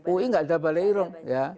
ui enggak ada balai irung